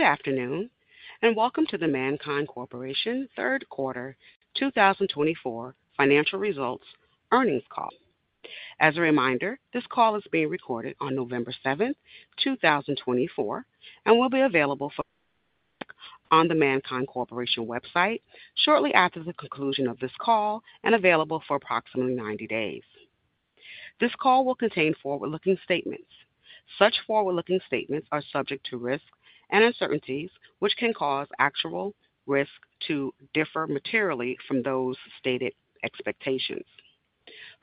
Good afternoon and welcome to the MannKind Corporation Third Quarter 2024 Financial Results Earnings Call. As a reminder, this call is being recorded on November 7th, 2024, and will be available on the MannKind Corporation website shortly after the conclusion of this call and available for approximately 90 days. This call will contain forward-looking statements. Such forward-looking statements are subject to risk and uncertainties, which can cause actual results to differ materially from those stated expectations.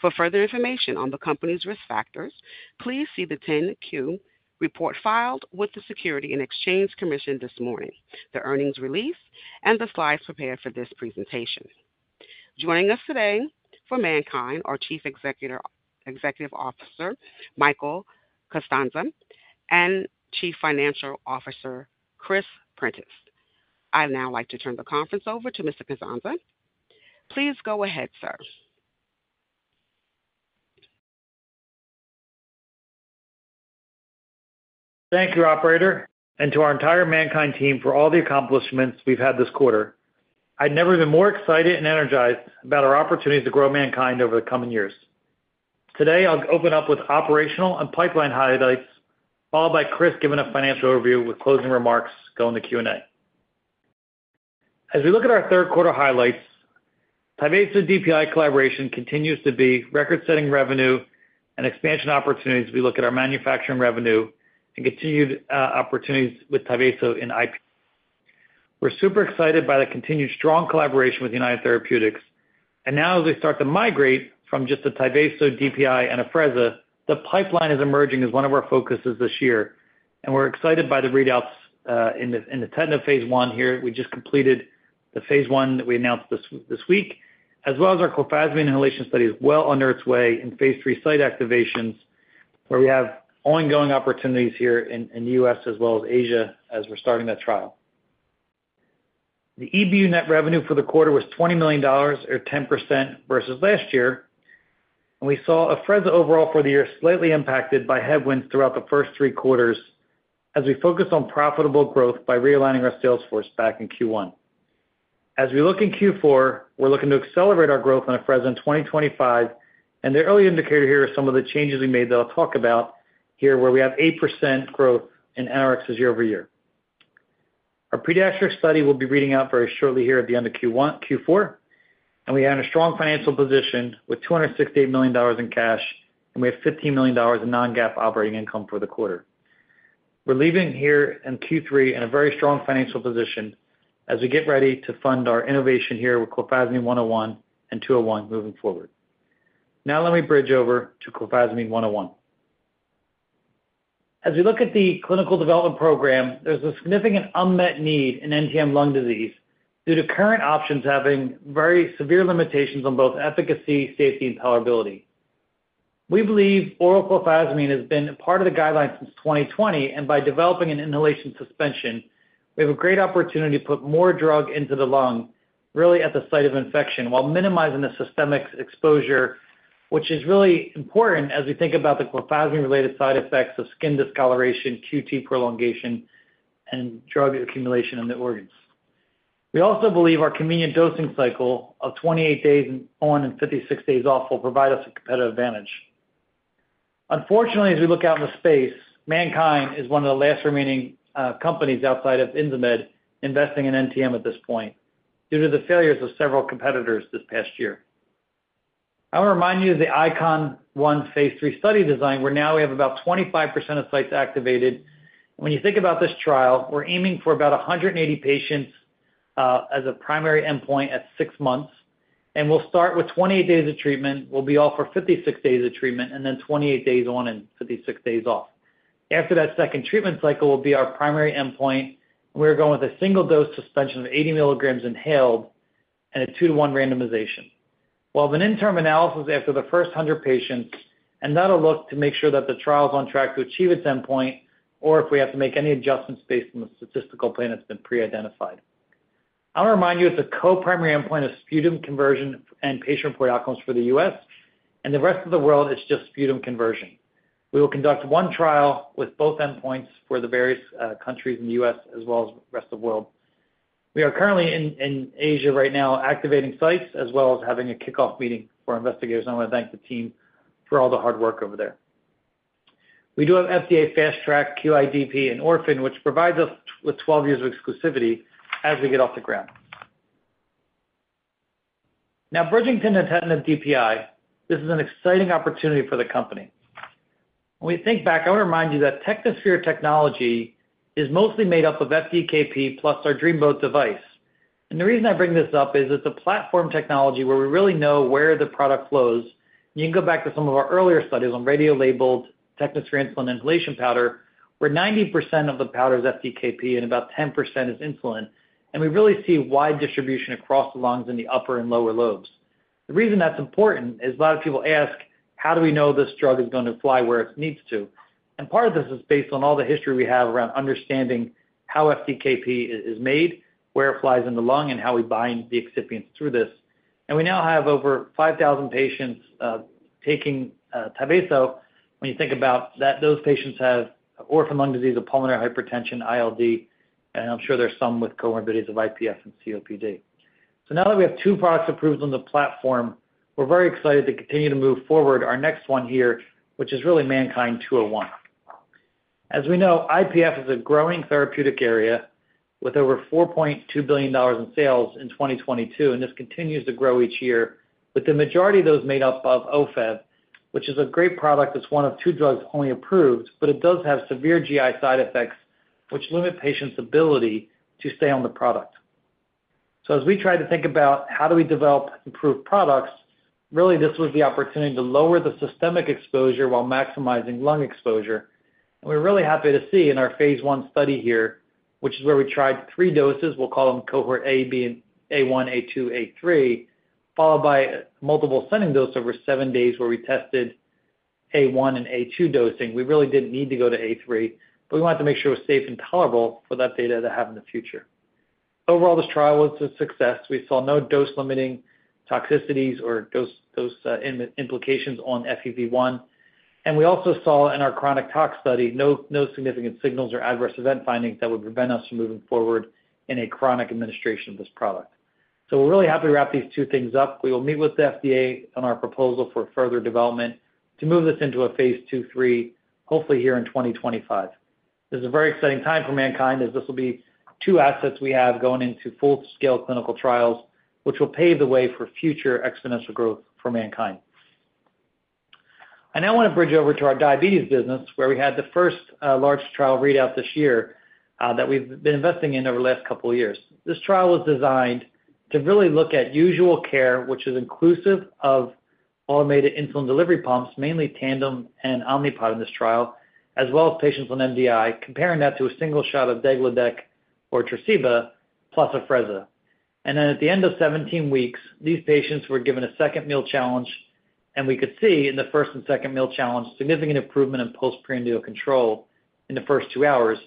For further information on the company's risk factors, please see the 10-Q report filed with the Securities and Exchange Commission this morning, the earnings release, and the slides prepared for this presentation. Joining us today for MannKind are Chief Executive Officer Michael Castagna and Chief Financial Officer Chris Prentiss. I'd now like to turn the conference over to Mr. Castagna. Please go ahead, sir. Thank you, Operator, and to our entire MannKind team for all the accomplishments we've had this quarter. I'd never been more excited and energized about our opportunities to grow MannKind over the coming years. Today, I'll open up with operational and pipeline highlights, followed by Chris giving a financial overview with closing remarks going to Q&A. As we look at our third quarter highlights, Tyvaso DPI collaboration continues to be record-setting revenue and expansion opportunities. We look at our manufacturing revenue and continued opportunities with Tyvaso in IPF. We're super excited by the continued strong collaboration with United Therapeutics. And now, as we start to migrate from just the Tyvaso DPI and Afrezza, the pipeline is emerging as one of our focuses this year. And we're excited by the readouts in the TETON phase I here. We just completed the phase I that we announced this week, as well as our clofazimine inhalation study is well under way in phase III site activations, where we have ongoing opportunities here in the U.S. as well as Asia as we're starting that trial. The EBU net revenue for the quarter was $20 million, or 10% versus last year. We saw Afrezza overall for the year slightly impacted by headwinds throughout the first three quarters as we focused on profitable growth by realigning our sales force back in Q1. As we look in Q4, we're looking to accelerate our growth on Afrezza in 2025. The early indicator here are some of the changes we made that I'll talk about here, where we have 8% growth in NRx year-over-year. Our pediatrics study will be reading out very shortly here at the end of Q4. We have a strong financial position with $268 million in cash, and we have $15 million in non-GAAP operating income for the quarter. We're leaving here in Q3 in a very strong financial position as we get ready to fund our innovation here with clofazimine 101 and 201 moving forward. Now, let me bridge over to clofazimine 101. As we look at the clinical development program, there's a significant unmet need in NTM lung disease due to current options having very severe limitations on both efficacy, safety, and tolerability. We believe oral clofazimine has been part of the guidelines since 2020, and by developing an inhalation suspension, we have a great opportunity to put more drug into the lung, really at the site of infection, while minimizing the systemic exposure, which is really important as we think about the clofazimine-related side effects of skin discoloration, QT prolongation, and drug accumulation in the organs. We also believe our convenient dosing cycle of 28 days on and 56 days off will provide us a competitive advantage. Unfortunately, as we look out in the space, MannKind is one of the last remaining companies outside of Insmed investing in NTM at this point due to the failures of several competitors this past year. I want to remind you of the ICon-1 phase III study design, where now we have about 25% of sites activated. When you think about this trial, we're aiming for about 180 patients as a primary endpoint at six months. We'll start with 28 days of treatment. We'll be off for 56 days of treatment, and then 28 days on and 56 days off. After that second treatment cycle, that'll be our primary endpoint. We're going with a single-dose suspension of 80 milligrams inhaled and a 2:1 randomization, with an interim analysis after the first 100 patients. That'll look to make sure that the trial's on track to achieve its endpoint, or if we have to make any adjustments based on the statistical plan that's been pre-identified. I want to remind you it's a co-primary endpoint of sputum conversion and patient-reported outcomes for the U.S., and the rest of the world is just sputum conversion. We will conduct one trial with both endpoints for the various countries in the U.S. as well as the rest of the world. We are currently in Asia right now, activating sites as well as having a kickoff meeting for investigators. I want to thank the team for all the hard work over there. We do have FDA Fast Track, QIDP, and Orphan, which provides us with 12 years of exclusivity as we get off the ground. Now, bridging to Tyvaso DPI, this is an exciting opportunity for the company. When we think back, I want to remind you that Technosphere technology is mostly made up of FDKP plus our Dreamboat device. And the reason I bring this up is it's a platform technology where we really know where the product flows. You can go back to some of our earlier studies on radio-labeled Technosphere insulin inhalation powder, where 90% of the powder is FDKP and about 10% is insulin. And we really see wide distribution across the lungs in the upper and lower lobes. The reason that's important is a lot of people ask, "How do we know this drug is going to fly where it needs to?" And part of this is based on all the history we have around understanding how FDKP is made, where it flies in the lung, and how we bind the excipients through this. And we now have over 5,000 patients taking Tyvaso. When you think about that, those patients have orphan lung disease, pulmonary hypertension, ILD, and I'm sure there's some with comorbidities of IPF and COPD. So now that we have two products approved on the platform, we're very excited to continue to move forward our next one here, which is really MannKind 201. As we know, IPF is a growing therapeutic area with over $4.2 billion in sales in 2022, and this continues to grow each year. But the majority of those made up of Ofev, which is a great product that's one of two drugs only approved, but it does have severe GI side effects, which limit patients' ability to stay on the product. So as we try to think about how do we develop improved products, really this was the opportunity to lower the systemic exposure while maximizing lung exposure. And we're really happy to see in our phase I study here, which is where we tried three doses. We'll call them Cohort A, B, A1, A2, A3, followed by multiple ascending doses over seven days where we tested A1 and A2 dosing. We really didn't need to go to A3, but we wanted to make sure it was safe and tolerable for that data to have in the future. Overall, this trial was a success. We saw no dose-limiting toxicities or dose implications on FEV1, and we also saw in our chronic tox study no significant signals or adverse event findings that would prevent us from moving forward in a chronic administration of this product, so we're really happy to wrap these two things up. We will meet with the FDA on our proposal for further development to move this into a phase II, phase III, hopefully here in 2025. This is a very exciting time for MannKind as this will be two assets we have going into full-scale clinical trials, which will pave the way for future exponential growth for MannKind. I now want to bridge over to our diabetes business, where we had the first large trial readout this year that we've been investing in over the last couple of years. This trial was designed to really look at usual care, which is inclusive of automated insulin delivery pumps, mainly Tandem and Omnipod in this trial, as well as patients on MDI, comparing that to a single shot of degludec or Tresiba plus Afrezza, and then at the end of 17 weeks, these patients were given a second meal challenge, and we could see in the first and second meal challenge significant improvement in postprandial control in the first two hours.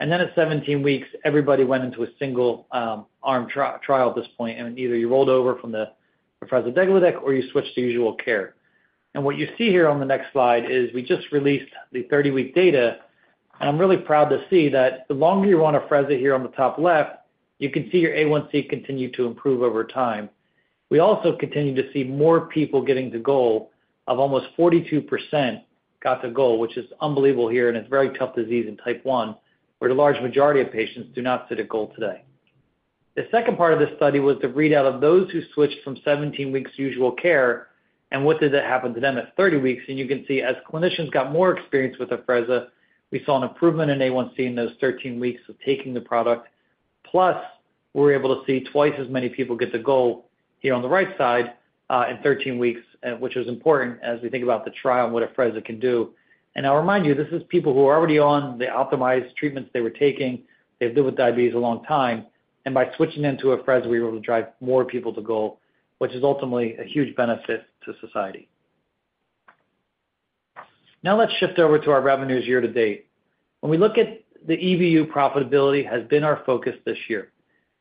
Then at 17 weeks, everybody went into a single arm trial at this point, and either you rolled over from the Afrezza-degludec or you switched to usual care. What you see here on the next slide is we just released the 30-week data, and I'm really proud to see that the longer you're on Afrezza here on the top left, you can see your A1C continue to improve over time. We also continue to see more people getting to goal of almost 42% got to goal, which is unbelievable here in a very tough disease in type 1, where the large majority of patients do not sit at goal today. The second part of this study was the readout of those who switched from 17 weeks usual care and what did that happen to them at 30 weeks. You can see as clinicians got more experience with Afrezza, we saw an improvement in A1C in those 13 weeks of taking the product. Plus, we were able to see twice as many people get to goal here on the right side in 13 weeks, which is important as we think about the trial and what Afrezza can do. I'll remind you, this is people who are already on the optimized treatments they were taking. They've lived with diabetes a long time. By switching into Afrezza, we were able to drive more people to goal, which is ultimately a huge benefit to society. Now, let's shift over to our revenues year to date. When we look at the EBU, profitability has been our focus this year.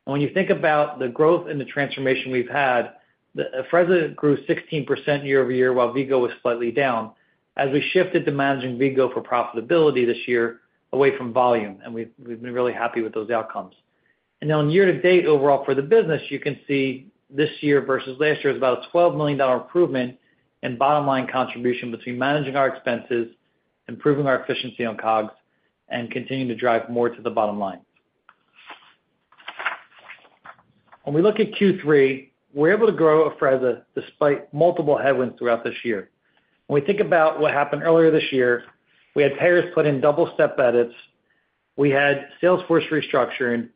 When you think about the growth and the transformation we've had, Afrezza grew 16% year-over-year, while V-Go was slightly down as we shifted to managing V-Go for profitability this year away from volume. We've been really happy with those outcomes. On year to date overall for the business, you can see this year versus last year is about a $12 million improvement in bottom-line contribution between managing our expenses, improving our efficiency on COGS, and continuing to drive more to the bottom line. When we look at Q3, we're able to grow Afrezza despite multiple headwinds throughout this year. When we think about what happened earlier this year, we had payers put in double-step edits. We had sales force restructuring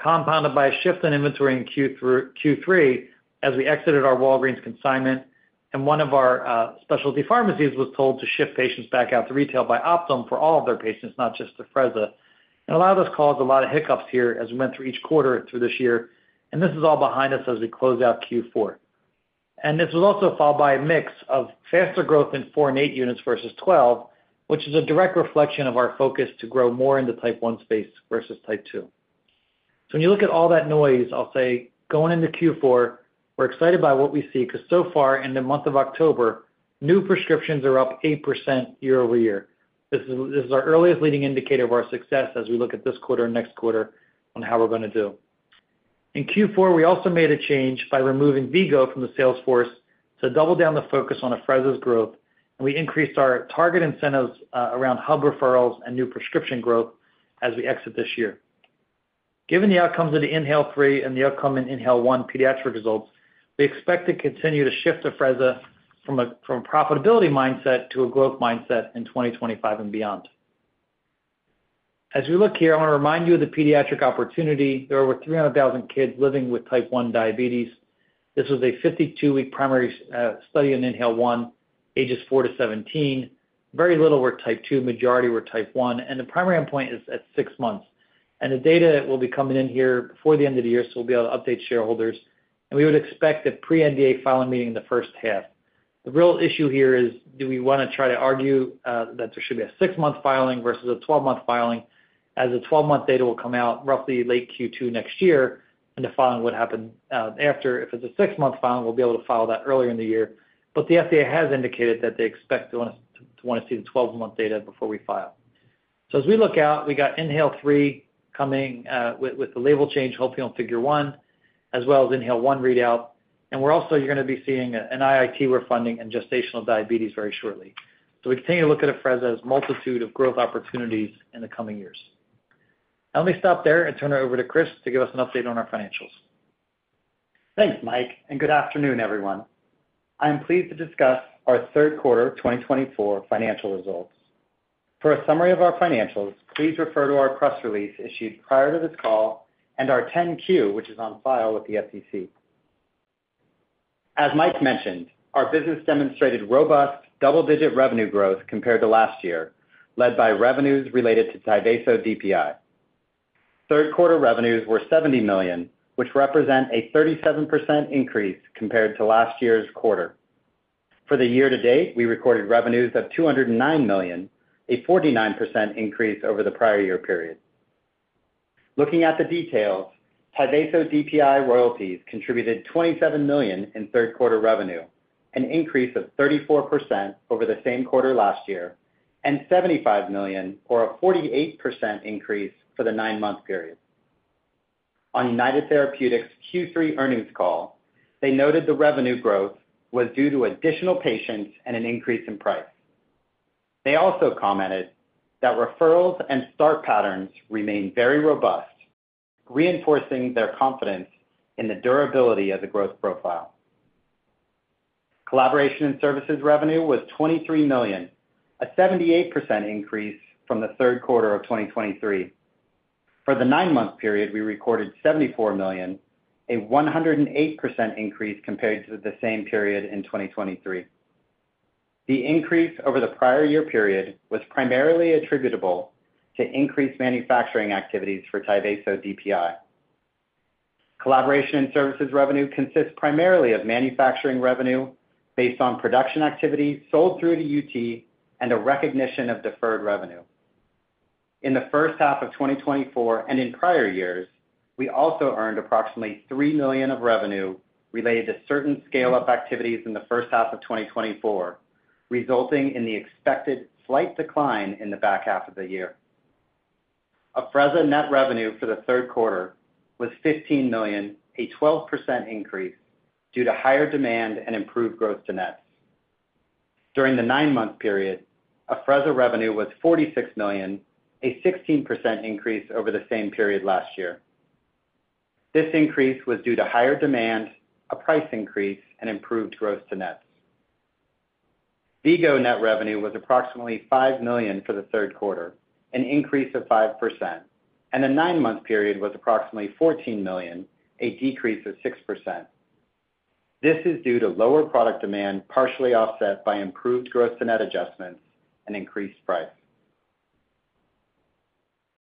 compounded by a shift in inventory in Q3 as we exited our Walgreens consignment. And one of our specialty pharmacies was told to shift patients back out to retail by Optum for all of their patients, not just Afrezza. And a lot of this caused a lot of hiccups here as we went through each quarter through this year. And this is all behind us as we close out Q4. And this was also followed by a mix of faster growth in four and eight units versus 12, which is a direct reflection of our focus to grow more in the type 1 space versus type 2. So when you look at all that noise, I'll say going into Q4, we're excited by what we see because so far in the month of October, new prescriptions are up 8% year-over-year. This is our earliest leading indicator of our success as we look at this quarter and next quarter on how we're going to do. In Q4, we also made a change by removing V-Go from the sales force to double down the focus on Afrezza's growth. And we increased our target incentives around hub referrals and new prescription growth as we exit this year. Given the outcomes of the INHALE-3 and the upcoming INHALE-1 pediatric results, we expect to continue to shift Afrezza from a profitability mindset to a growth mindset in 2025 and beyond. As we look here, I want to remind you of the pediatric opportunity. There are over 300,000 kids living with type 1 diabetes. This was a 52-week primary study in INHALE-1, ages four to 17. Very little were type 2. Majority were type 1. And the primary endpoint is at six months. And the data will be coming in here before the end of the year, so we'll be able to update shareholders. And we would expect a pre-NDA filing meeting in the first half. The real issue here is do we want to try to argue that there should be a six-month filing versus a 12-month filing as the 12-month data will come out roughly late Q2 next year and define what happened after. If it's a six-month filing, we'll be able to file that earlier in the year. But the FDA has indicated that they expect to want to see the 12-month data before we file. So as we look out, we got INHALE-3 coming with the label change, hopefully on Figure 1 as well as INHALE-1 readout. And we're also going to be seeing an IIT funding in gestational diabetes very shortly. So we continue to look at Afrezza's multitude of growth opportunities in the coming years. Now, let me stop there and turn it over to Chris to give us an update on our financials. Thanks, Mike. And good afternoon, everyone. I am pleased to discuss our third quarter 2024 financial results. For a summary of our financials, please refer to our press release issued prior to this call and our 10-Q, which is on file with the SEC. As Mike mentioned, our business demonstrated robust double-digit revenue growth compared to last year, led by revenues related to Tyvaso DPI. Third quarter revenues were $70 million, which represent a 37% increase compared to last year's quarter. For the year to date, we recorded revenues of $209 million, a 49% increase over the prior year period. Looking at the details, Tyvaso DPI royalties contributed $27 million in third quarter revenue, an increase of 34% over the same quarter last year, and $75 million, or a 48% increase for the nine-month period. On United Therapeutics' Q3 earnings call, they noted the revenue growth was due to additional patients and an increase in price. They also commented that referrals and start patterns remain very robust, reinforcing their confidence in the durability of the growth profile. Collaboration and services revenue was $23 million, a 78% increase from the third quarter of 2023. For the nine-month period, we recorded $74 million, a 108% increase compared to the same period in 2023. The increase over the prior year period was primarily attributable to increased manufacturing activities for Tyvaso DPI. Collaboration and services revenue consists primarily of manufacturing revenue based on production activity sold through to UT and a recognition of deferred revenue. In the first half of 2024 and in prior years, we also earned approximately $3 million of revenue related to certain scale-up activities in the first half of 2024, resulting in the expected slight decline in the back half of the year. Afrezza net revenue for the third quarter was $15 million, a 12% increase due to higher demand and improved gross to nets. During the nine-month period, Afrezza revenue was $46 million, a 16% increase over the same period last year. This increase was due to higher demand, a price increase, and improved gross to nets. V-Go net revenue was approximately $5 million for the third quarter, an increase of 5%, and the nine-month period was approximately $14 million, a decrease of 6%. This is due to lower product demand partially offset by improved gross to net adjustments and increased price.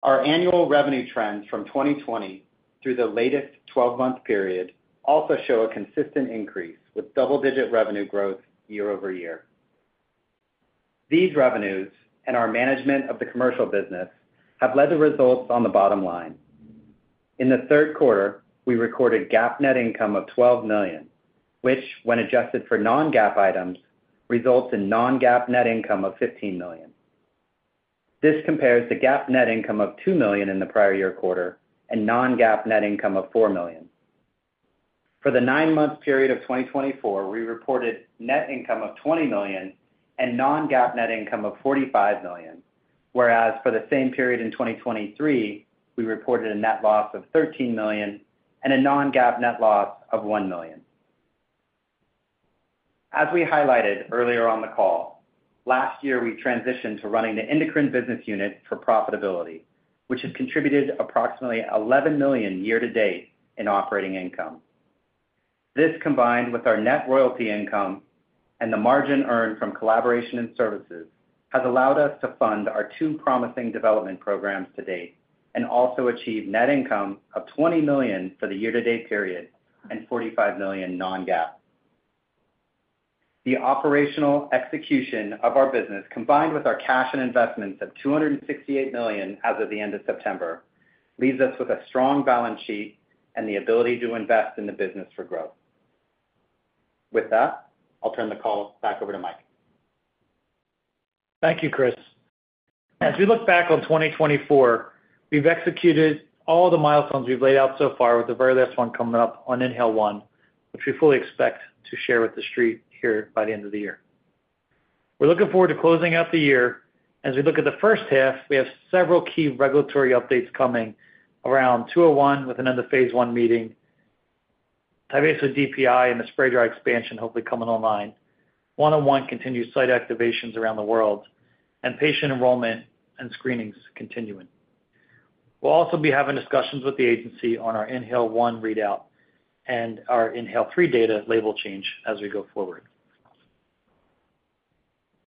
Our annual revenue trends from 2020 through the latest 12-month period also show a consistent increase with double-digit revenue growth year-over-year. These revenues and our management of the commercial business have led to results on the bottom line. In the third quarter, we recorded GAAP net income of $12 million, which, when adjusted for non-GAAP items, results in non-GAAP net income of $15 million. This compares the GAAP net income of $2 million in the prior year quarter and non-GAAP net income of $4 million. For the nine-month period of 2024, we reported net income of $20 million and non-GAAP net income of $45 million, whereas for the same period in 2023, we reported a net loss of $13 million and a non-GAAP net loss of $1 million. As we highlighted earlier on the call, last year, we transitioned to running the Endocrine Business Unit for profitability, which has contributed approximately $11 million year-to-date in operating income. This, combined with our net royalty income and the margin earned from collaboration and services, has allowed us to fund our two promising development programs to date and also achieve net income of $20 million for the year-to-date period and $45 million non-GAAP. The operational execution of our business, combined with our cash and investments of $268 million as of the end of September, leaves us with a strong balance sheet and the ability to invest in the business for growth. With that, I'll turn the call back over to Mike. Thank you, Chris. As we look back on 2024, we've executed all the milestones we've laid out so far, with the very last one coming up on INHALE-1, which we fully expect to share with the street here by the end of the year. We're looking forward to closing out the year. As we look at the first half, we have several key regulatory updates coming around 201 with another phase I meeting, Tyvaso DPI and the spray dry expansion hopefully coming online, 101 continued site activations around the world, and patient enrollment and screenings continuing. We'll also be having discussions with the agency on our INHALE-1 readout and our INHALE-3 data label change as we go forward.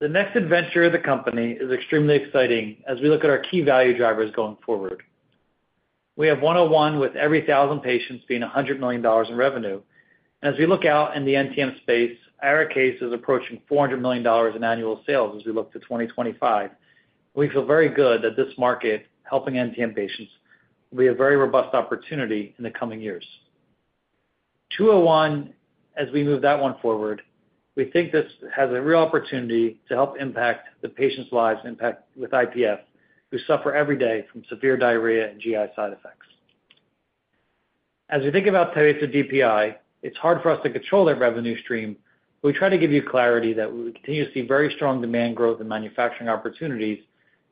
The next adventure of the company is extremely exciting as we look at our key value drivers going forward. We have 101 with every 1,000 patients being $100 million in revenue, and as we look out in the NTM space, ARIKAYCE is approaching $400 million in annual sales as we look to 2025. We feel very good that this market, helping NTM patients, will be a very robust opportunity in the coming years. 201, as we move that one forward, we think this has a real opportunity to help impact the patients' lives with IPF, who suffer every day from severe diarrhea and GI side effects. As we think about Tyvaso DPI, it's hard for us to control that revenue stream. We try to give you clarity that we continue to see very strong demand growth and manufacturing opportunities.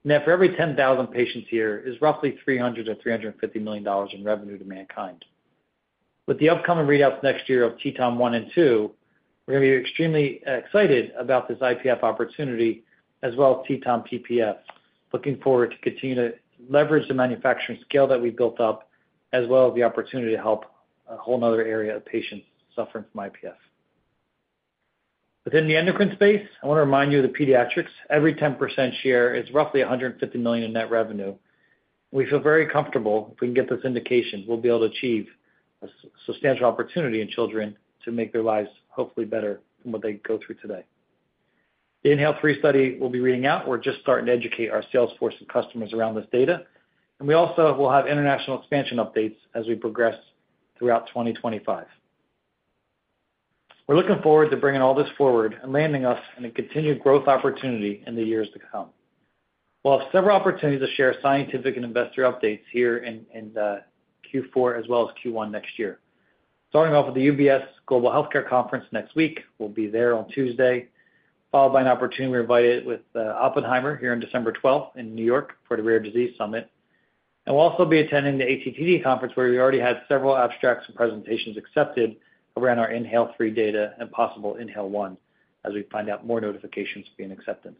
Net for every 10,000 patients here is roughly $300 million-$350 million in revenue to MannKind. With the upcoming readouts next year of TETON 1 and 2, we're going to be extremely excited about this IPF opportunity, as well as TETON PPF. Looking forward to continue to leverage the manufacturing scale that we've built up, as well as the opportunity to help a whole nother area of patients suffering from IPF. Within the endocrine space, I want to remind you of the pediatrics. Every 10% share is roughly $150 million in net revenue. We feel very comfortable if we can get this indication we'll be able to achieve a substantial opportunity in children to make their lives hopefully better than what they go through today. The INHALE-3 study we'll be reading out. We're just starting to educate our sales force and customers around this data. And we also will have international expansion updates as we progress throughout 2025. We're looking forward to bringing all this forward and landing us in a continued growth opportunity in the years to come. We'll have several opportunities to share scientific and investor updates here in Q4, as well as Q1 next year. Starting off with the UBS Global Healthcare Conference next week. We'll be there on Tuesday, followed by an opportunity we're invited with Oppenheimer here on December 12th in New York for the Rare Disease Summit, and we'll also be attending the ATTD Conference, where we already had several abstracts and presentations accepted around our INHALE-3 data and possible INHALE-1, as we find out more notifications for acceptance.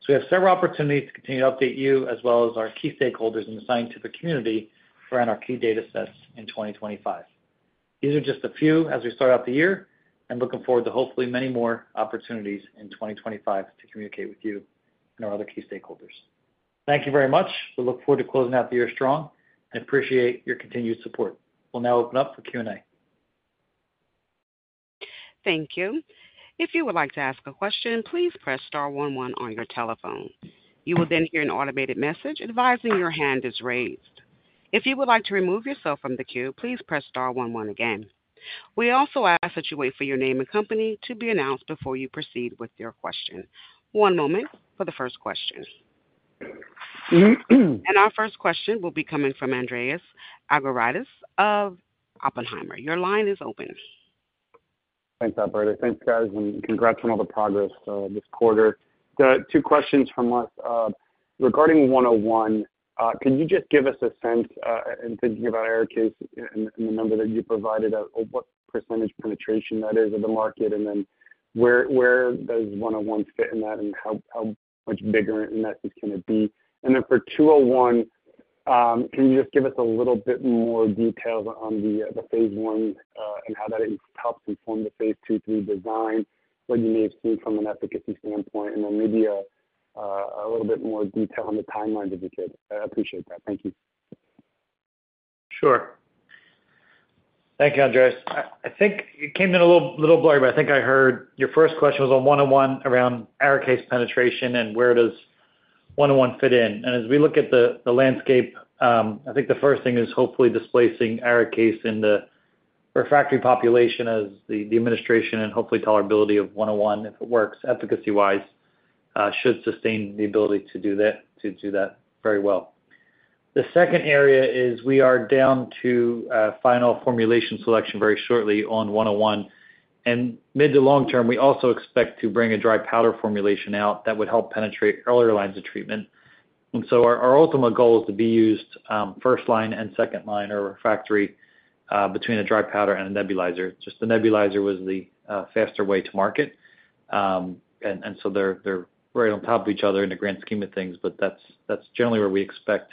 So we have several opportunities to continue to update you, as well as our key stakeholders in the scientific community around our key data sets in 2025, so we have several opportunities to continue to update you, as well as our key stakeholders in the scientific community around our key data sets in 2025. These are just a few as we start out the year. And looking forward to hopefully many more opportunities in 2025 to communicate with you and our other key stakeholders. Thank you very much. We look forward to closing out the year strong and appreciate your continued support. We'll now open up for Q&A. Thank you. If you would like to ask a question, please press star one one on your telephone. You will then hear an automated message advising your hand is raised. If you would like to remove yourself from the queue, please press star one one again. We also ask that you wait for your name and company to be announced before you proceed with your question. One moment for the first question. And our first question will be coming from Andreas Argyrides of Oppenheimer. Your line is open. Thanks, Alberta. Thanks, guys. And congrats on all the progress this quarter. Two questions from us. Regarding 101, could you just give us a sense in thinking about worst case and the number that you provided, what percentage penetration that is of the market? And then where does 101 fit in that, and how much bigger and addressable can it be? And then for 201, can you just give us a little bit more detail on the phase I and how that helps inform the phase II-phase III design, what you may have seen from an efficacy standpoint, and then maybe a little bit more detail on the timeline that you could articulate? Thank you. Sure. Thank you, Andreas. I think it came in a little blurry, but I think I heard your first question was on 101 around our ARIKAYCE penetration and where does 101 fit in. And as we look at the landscape, I think the first thing is hopefully displacing ARIKAYCE in the refractory population as the administration and hopefully tolerability of 101, if it works efficacy-wise, should sustain the ability to do that very well. The second area is we are down to final formulation selection very shortly on 101. And mid to long term, we also expect to bring a dry powder formulation out that would help penetrate earlier lines of treatment. And so our ultimate goal is to be used first line and second line or refractory between a dry powder and a nebulizer. Just the nebulizer was the faster way to market. And so they're right on top of each other in the grand scheme of things, but that's generally where we expect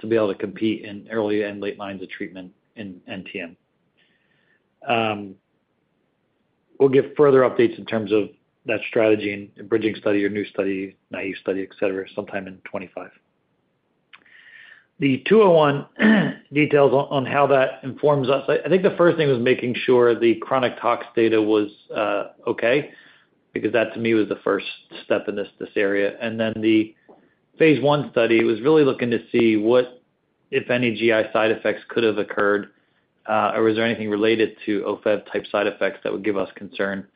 to be able to compete in early and late lines of treatment in NTM. We'll give further updates in terms of that strategy and bridging study or new study, naïve study, etc., sometime in 2025. The 201 details on how that informs us. I think the first thing was making sure the chronic tox data was okay, because that to me was the first step in this area. And then the phase one study was really looking to see what, if any, GI side effects could have occurred, or was there anything related to Ofev-type side effects that would give us concern,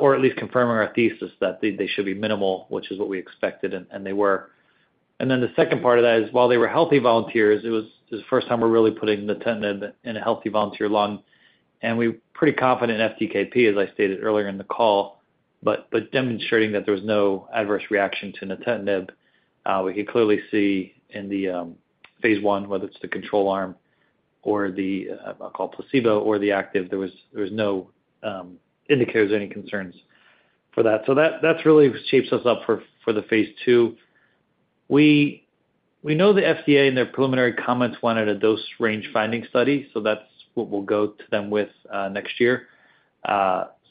or at least confirming our thesis that they should be minimal, which is what we expected, and they were. And then the second part of that is, while they were healthy volunteers, it was the first time we're really putting nintedanib in a healthy volunteer lung. And we're pretty confident in FDKP, as I stated earlier in the call, but demonstrating that there was no adverse reaction to nintedanib. We could clearly see in the phase one, whether it's the control arm or the, I'll call it placebo, or the active, there was no indicators or any concerns for that. So that really shapes us up for the phase II. We know the FDA and their preliminary comments wanted a dose range finding study, so that's what we'll go to them with next year.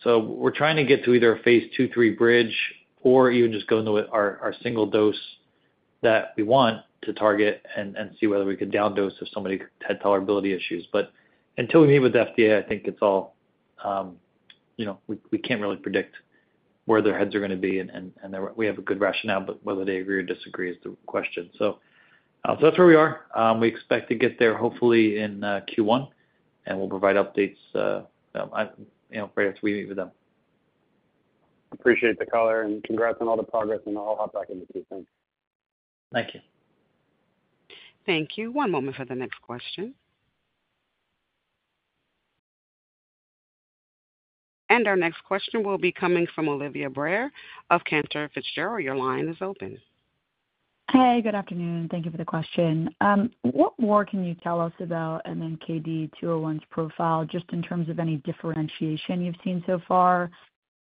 So we're trying to get to either a phase II-phase III bridge, or even just go into our single dose that we want to target and see whether we could down-dose if somebody had tolerability issues. But until we meet with the FDA, I think it's all, we can't really predict where their heads are going to be. And we have a good rationale, but whether they agree or disagree is the question. So that's where we are. We expect to get there hopefully in Q1, and we'll provide updates right after we meet with them. Appreciate the color, and congrats on all the progress, and I'll hop back in with you. Thanks. Thank you. Thank you. One moment for the next question, and our next question will be coming from Olivia Brayer of Cantor Fitzgerald. Your line is open. Hi. Good afternoon. Thank you for the question. What more can you tell us about MNKD-201's profile, just in terms of any differentiation you've seen so far?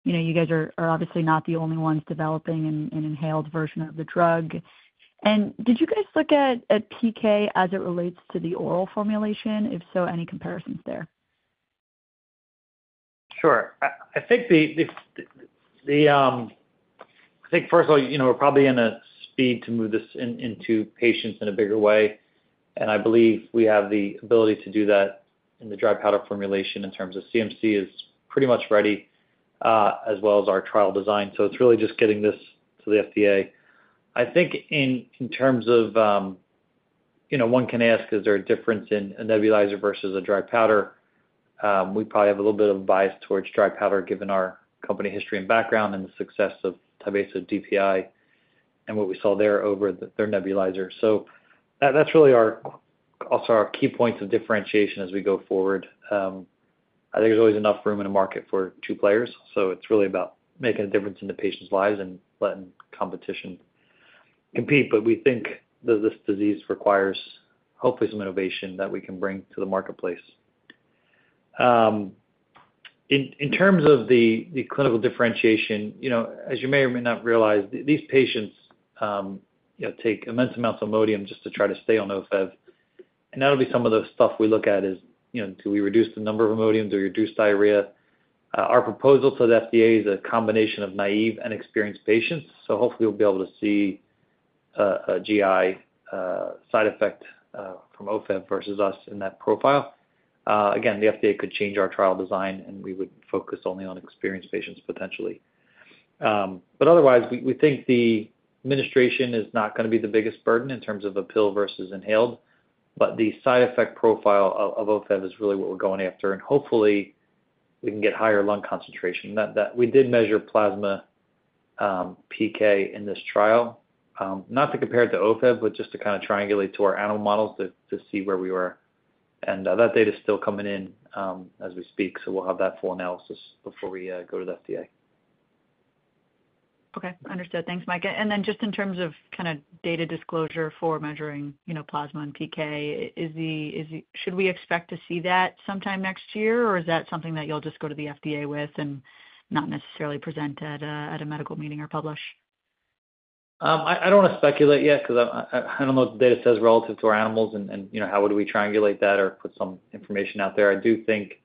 You guys are obviously not the only ones developing an inhaled version of the drug. And did you guys look at PK as it relates to the oral formulation? If so, any comparisons there? Sure. I think, first of all, we're probably in a speed to move this into patients in a bigger way. And I believe we have the ability to do that in the dry powder formulation in terms of CMC is pretty much ready, as well as our trial design. So it's really just getting this to the FDA. I think in terms of one can ask, is there a difference in a nebulizer versus a dry powder? We probably have a little bit of bias towards dry powder, given our company history and background and the success of Tyvaso DPI and what we saw there over their nebulizer. So that's really also our key points of differentiation as we go forward. I think there's always enough room in the market for two players. So it's really about making a difference in the patient's lives and letting competition compete. But we think this disease requires hopefully some innovation that we can bring to the marketplace. In terms of the clinical differentiation, as you may or may not realize, these patients take immense amounts of Imodium just to try to stay on Ofev. And that'll be some of the stuff we look at is, do we reduce the number of Imodium? Do we reduce diarrhea? Our proposal to the FDA is a combination of naive and experienced patients. So hopefully, we'll be able to see a GI side effect from Ofev versus us in that profile. Again, the FDA could change our trial design, and we would focus only on experienced patients potentially. But otherwise, we think the administration is not going to be the biggest burden in terms of a pill versus inhaled. But the side effect profile of Ofev is really what we're going after. Hopefully, we can get higher lung concentration. We did measure plasma PK in this trial, not to compare it to Ofev, but just to kind of triangulate to our animal models to see where we were. That data is still coming in as we speak. We'll have that full analysis before we go to the FDA. Okay. Understood. Thanks, Mike. And then just in terms of kind of data disclosure for measuring plasma and PK, should we expect to see that sometime next year, or is that something that you'll just go to the FDA with and not necessarily present at a medical meeting or publish? I don't want to speculate yet because I don't know what the data says relative to our animals and how would we triangulate that or put some information out there. I do think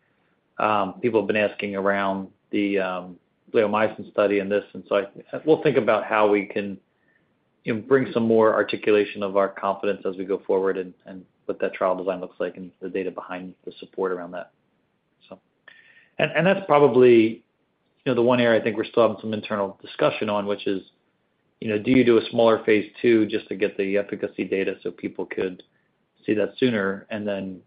people have been asking around the clofazimine study and this. And so we'll think about how we can bring some more articulation of our confidence as we go forward and what that trial design looks like and the data behind the support around that, so. And that's probably the one area I think we're still having some internal discussion on, which is, do you do a smaller phase two just to get the efficacy data so people could see that sooner? And then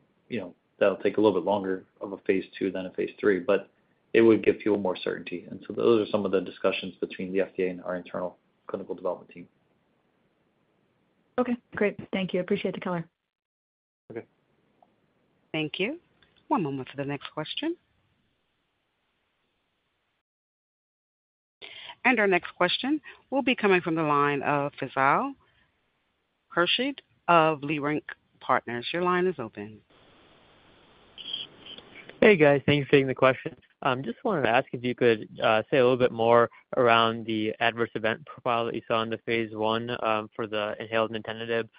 that'll take a little bit longer of a phase two than a phase three, but it would give people more certainty. Those are some of the discussions between the FDA and our internal clinical development team. Okay. Great. Thank you. Appreciate the color. Okay. Thank you. One moment for the next question, and our next question will be coming from the line of Faisal Khurshid of Leerink Partners. Your line is open. Hey, guys. Thanks for taking the question. Just wanted to ask if you could say a little bit more around the adverse event profile that you saw in the phase I for the inhaled nintedanib.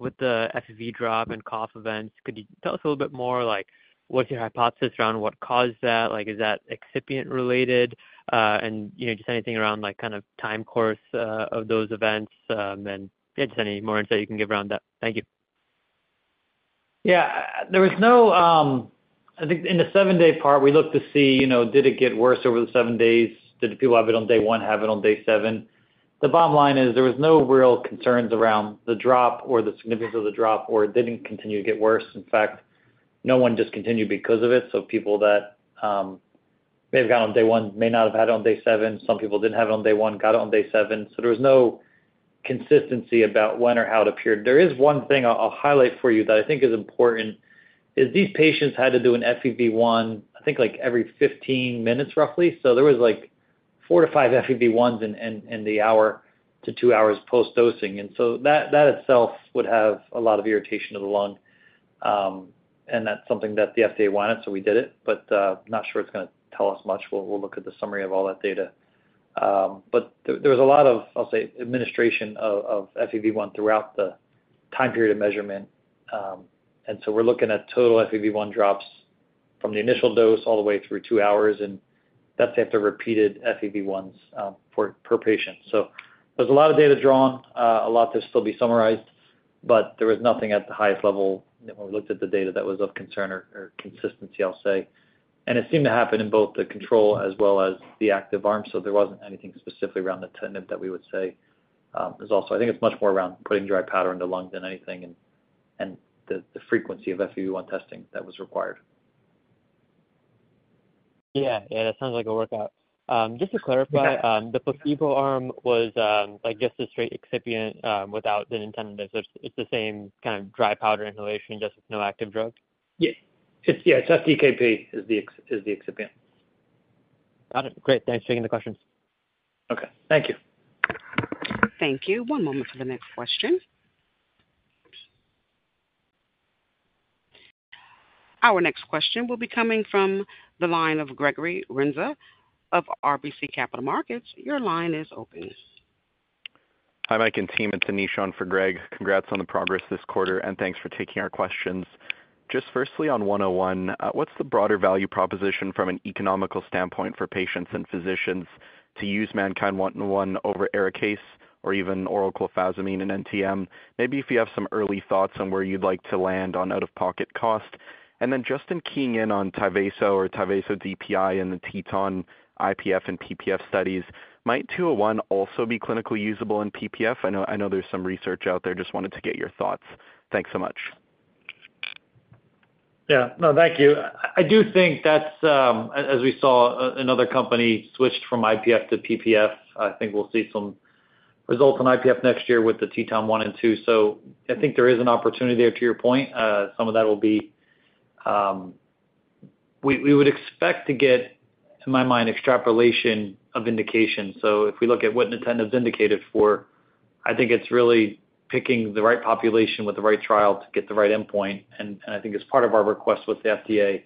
With the FEV1 drop and cough events, could you tell us a little bit more? What's your hypothesis around what caused that? Is that excipient-related? And just anything around kind of time course of those events? And yeah, just any more insight you can give around that. Thank you. Yeah. There was no, I think, in the seven-day part, we looked to see, did it get worse over the seven days? Did people have it on day one, have it on day seven? The bottom line is there was no real concerns around the drop or the significance of the drop, or it didn't continue to get worse. In fact, no one discontinued because of it. So people that may have gotten it on day one may not have had it on day seven. Some people didn't have it on day one, got it on day seven. So there was no consistency about when or how it appeared. There is one thing I'll highlight for you that I think is important is these patients had to do an FEV1, I think, every 15 minutes roughly. So there was four to five FEV1s in the hour to two hours post-dosing. And so that itself would have a lot of irritation of the lung. And that's something that the FDA wanted, so we did it. But I'm not sure it's going to tell us much. We'll look at the summary of all that data. But there was a lot of, I'll say, administration of FEV1 throughout the time period of measurement. And so we're looking at total FEV1 drops from the initial dose all the way through two hours. And that's after repeated FEV1s per patient. So there's a lot of data drawn, a lot to still be summarized, but there was nothing at the highest level when we looked at the data that was of concern or consistency, I'll say. And it seemed to happen in both the control as well as the active arm. So there wasn't anything specifically around nintedanib that we would say. I think it's much more around putting dry powder in the lung than anything and the frequency of FEV1 testing that was required. Yeah. Yeah. That sounds like a workout. Just to clarify, the placebo arm was just a straight excipient without the nintedanib. So it's the same kind of dry powder inhalation just with no active drug? Yeah. It's FDKP, the excipient. Got it. Great. Thanks for taking the questions. Okay. Thank you. Thank you. One moment for the next question. Our next question will be coming from the line of Gregory Renza of RBC Capital Markets. Your line is open. Hi, Mike and team. It's Anish on for Greg. Congrats on the progress this quarter, and thanks for taking our questions. Just firstly, on 101, what's the broader value proposition from an economical standpoint for patients and physicians to use MannKind 101 over ARIKAYCE or even oral clofazimine and NTM? Maybe if you have some early thoughts on where you'd like to land on out-of-pocket cost. And then just in keying in on Tyvaso or Tyvaso DPI and the TETON IPF and PPF studies, might 201 also be clinically usable in PPF? I know there's some research out there. Just wanted to get your thoughts. Thanks so much. Yeah. No, thank you. I do think that's, as we saw, another company switched from IPF to PPF. I think we'll see some results in IPF next year with the TETON 1 and 2, so I think there is an opportunity there to your point. Some of that will be we would expect to get, in my mind, extrapolation of indications. So if we look at what nintedanib's indicated for, I think it's really picking the right population with the right trial to get the right endpoint. And I think it's part of our request with the FDA.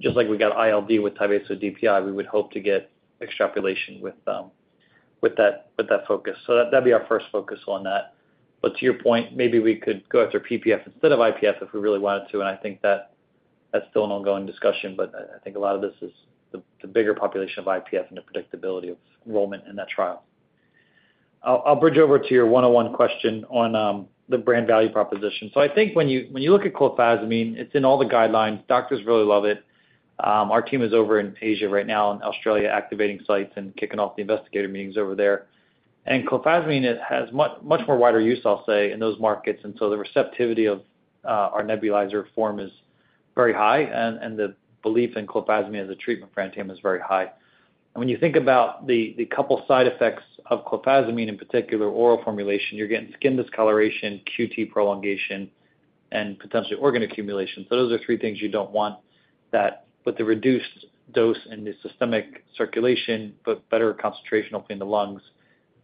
Just like we got ILD with Tyvaso DPI, we would hope to get extrapolation with that focus. So that'd be our first focus on that, but to your point, maybe we could go after PPF instead of IPF if we really wanted to. And I think that's still an ongoing discussion, but I think a lot of this is the bigger population of IPF and the predictability of enrollment in that trial. I'll bridge over to your 101 question on the brand value proposition. So I think when you look at clofazimine, it's in all the guidelines. Doctors really love it. Our team is over in Asia right now in Australia, activating sites and kicking off the investigator meetings over there. And clofazimine has much more wider use, I'll say, in those markets. And so the receptivity of our nebulizer form is very high, and the belief in clofazimine as a treatment for NTM is very high. And when you think about the couple side effects of clofazimine in particular, oral formulation, you're getting skin discoloration, QT prolongation, and potentially organ accumulation. So those are three things you don't want that. But the reduced dose and the systemic circulation, but better concentration hopefully in the lungs,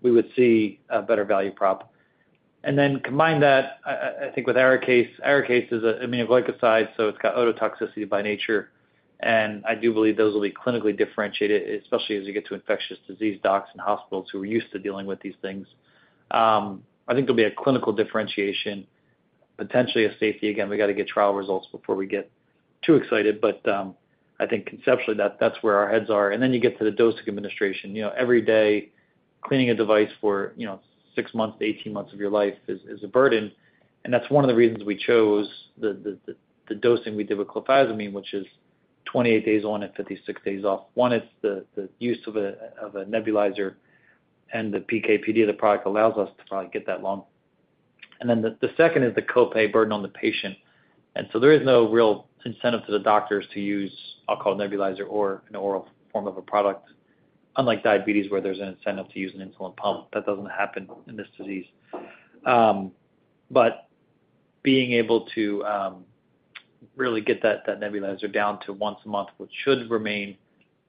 we would see a better value prop. And then combine that, I think, with ARIKAYCE. ARIKAYCE is an aminoglycoside, so it's got ototoxicity by nature. And I do believe those will be clinically differentiated, especially as you get to infectious disease docs and hospitals who are used to dealing with these things. I think there'll be a clinical differentiation, potentially a safety. Again, we got to get trial results before we get too excited. But I think conceptually, that's where our heads are. And then you get to the dosing administration. Every day, cleaning a device for six months to 18 months of your life is a burden. And that's one of the reasons we chose the dosing we did with clofazimine, which is 28 days on and 56 days off. One, it's the use of a nebulizer, and the PK/PD of the product allows us to probably get that long. And then the second is the copay burden on the patient. And so there is no real incentive to the doctors to use a nebulizer or an oral form of a product, unlike diabetes where there's an incentive to use an insulin pump. That doesn't happen in this disease. But being able to really get that nebulizer down to once a month, which should remain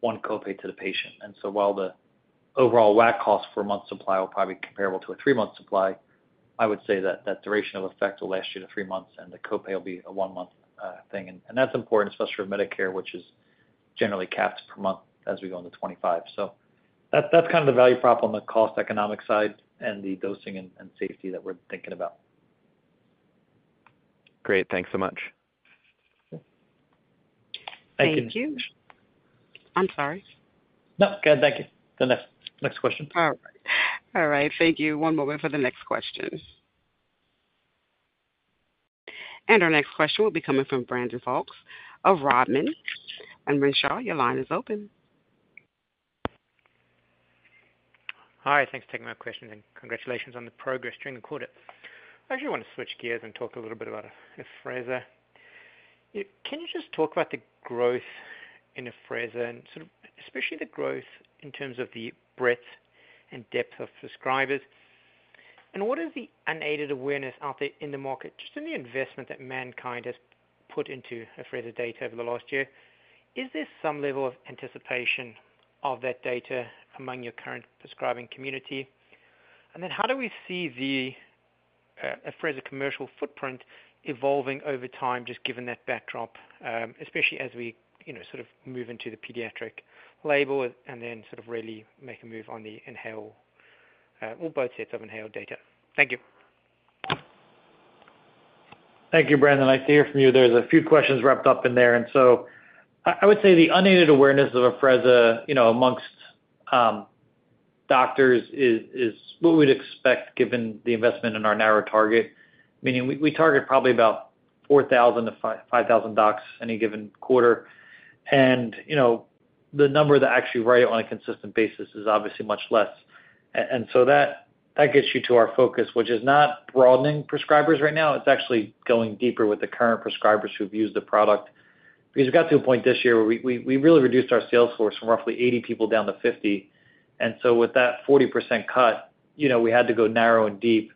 one copay to the patient. And so while the overall WAC cost for a month's supply will probably be comparable to a three-month supply, I would say that that duration of effect will last you to three months, and the copay will be a one-month thing. And that's important, especially for Medicare, which is generally capped per month as we go into 2025. So that's kind of the value prop on the cost economic side and the dosing and safety that we're thinking about. Great. Thanks so much. Thank you. I'm sorry. No, go ahead. Thank you. The next question. All right. All right. Thank you. One moment for the next question. And our next question will be coming from Brandon Folkes of Rodman & Renshaw. Your line is open. Hi. Thanks for taking my question and congratulations on the progress during the quarter. I actually want to switch gears and talk a little bit about Afrezza. Can you just talk about the growth in Afrezza, and especially the growth in terms of the breadth and depth of prescribers? And what is the unaided awareness out there in the market, just in the investment that MannKind has put into Afrezza data over the last year? Is there some level of anticipation of that data among your current prescribing community? And then how do we see the Afrezza commercial footprint evolving over time, just given that backdrop, especially as we sort of move into the pediatric label and then sort of really make a move on the inhale, or both sets of inhale data? Thank you. Thank you, Brandon. Nice to hear from you. There's a few questions wrapped up in there. And so I would say the unaided awareness of Afrezza amongst doctors is what we'd expect given the investment in our narrow target, meaning we target probably about 4,000-5,000 docs any given quarter. And the number that actually write it on a consistent basis is obviously much less. And so that gets you to our focus, which is not broadening prescribers right now. It's actually going deeper with the current prescribers who've used the product. Because we got to a point this year where we really reduced our sales force from roughly 80 people down to 50. And so with that 40% cut, we had to go narrow and deep.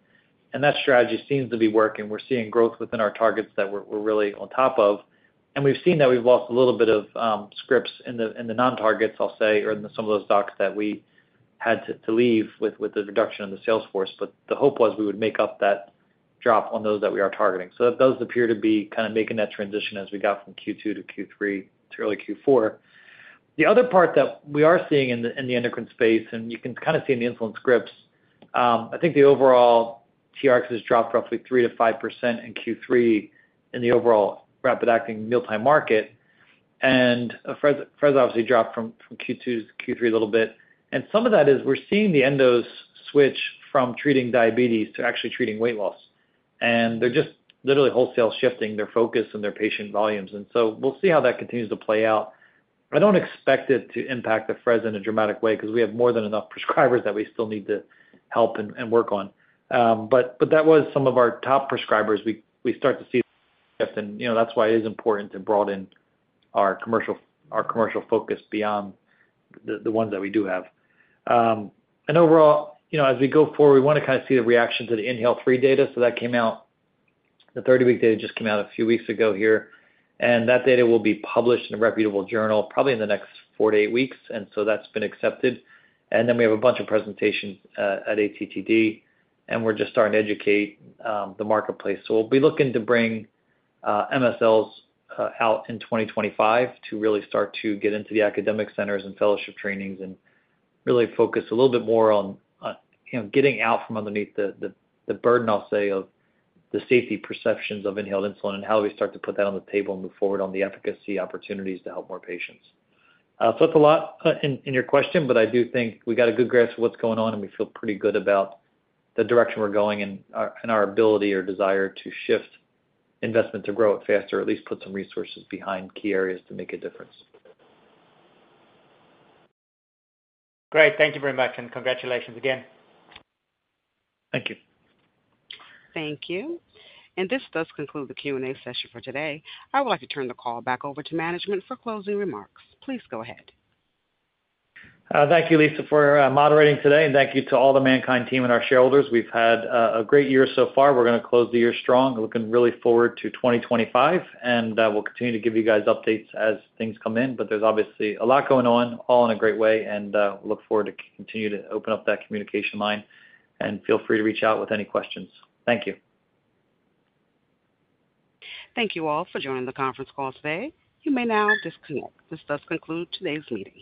And that strategy seems to be working. We're seeing growth within our targets that we're really on top of. And we've seen that we've lost a little bit of scripts in the non-targets, I'll say, or in some of those docs that we had to leave with the reduction in the sales force. But the hope was we would make up that drop on those that we are targeting. So those appear to be kind of making that transition as we got from Q2 to Q3 to early Q4. The other part that we are seeing in the endocrine space, and you can kind of see in the insulin scripts, I think the overall TRX has dropped roughly 3% to 5% in Q3 in the overall rapid-acting mealtime market. And Afrezza obviously dropped from Q2 to Q3 a little bit. And some of that is we're seeing the endos switch from treating diabetes to actually treating weight loss. And they're just literally wholesale shifting their focus and their patient volumes. And so we'll see how that continues to play out. I don't expect it to impact Afrezza in a dramatic way because we have more than enough prescribers that we still need to help and work on. But that was some of our top prescribers. We start to see shift. And that's why it is important to broaden our commercial focus beyond the ones that we do have. And overall, as we go forward, we want to kind of see the reaction to the INHALE-3 data. So that came out. The 30-week data just came out a few weeks ago here. And that data will be published in a reputable journal probably in the next four to eight weeks. And so that's been accepted. And then we have a bunch of presentations at ATTD. And we're just starting to educate the marketplace. So we'll be looking to bring MSLs out in 2025 to really start to get into the academic centers and fellowship trainings and really focus a little bit more on getting out from underneath the burden, I'll say, of the safety perceptions of inhaled insulin and how we start to put that on the table and move forward on the efficacy opportunities to help more patients. So that's a lot in your question, but I do think we got a good grasp of what's going on, and we feel pretty good about the direction we're going and our ability or desire to shift investment to grow it faster, at least put some resources behind key areas to make a difference. Great. Thank you very much. And congratulations again. Thank you. Thank you, and this does conclude the Q&A session for today. I would like to turn the call back over to management for closing remarks. Please go ahead. Thank you, Lisa, for moderating today, and thank you to all the MannKind team and our shareholders. We've had a great year so far. We're going to close the year strong, looking really forward to 2025, and we'll continue to give you guys updates as things come in. But there's obviously a lot going on, all in a great way, and we look forward to continue to open up that communication line. Feel free to reach out with any questions. Thank you. Thank you all for joining the conference call today. You may now disconnect. This does conclude today's meeting.